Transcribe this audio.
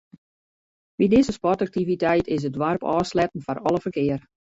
By dizze sportaktiviteit is it doarp ôfsletten foar alle ferkear.